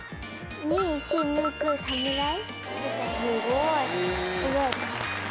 すごい。